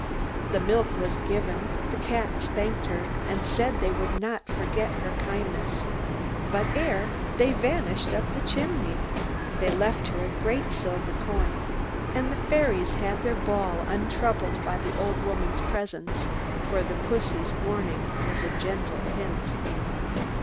The milk was given, the cats thanked her, and said they would not forget her kindness; but, ere they vanished up the chimney, they left her a great silver coin, and the fairies had their ball untroubled by the old woman's presence, for the pussy's warning was a gentle hint."